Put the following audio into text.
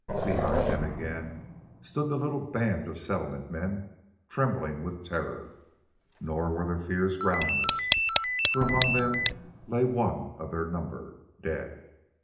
Behind them again stood the little band of Settlement men, trembling with terror. Nor were their fears groundless, for there among them lay one of their number, dead.